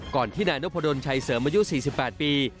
ที่นายนพดลชัยเสริมอายุ๔๘ปี